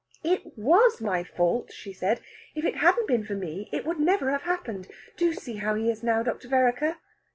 "It was my fault," she said. "If it hadn't been for me, it would never have happened. Do see how he is now, Dr. Vereker."